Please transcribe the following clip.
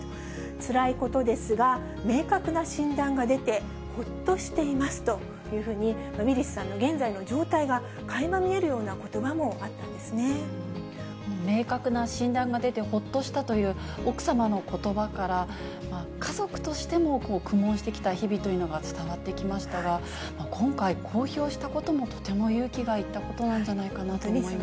つらいことですが、明確な診断が出てほっとしていますというふうに、ウィリスさんの現在の状態がかいま見えるようなことばもあったん明確な診断が出てほっとしたという奥様のことばから、家族としても苦悶してきた日々というのが伝わってきましたが、今回、公表したこともとても勇気がいったことなんじゃないかなと思いま